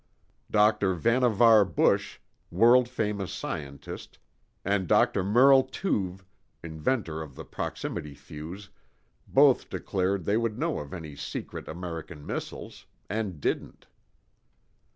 Dr. Vannevar Bush, world famous scientist, and Dr. Merle Tuve, inventor of the proximity fuse, both declared they would know of any secret American missiles—and didn't.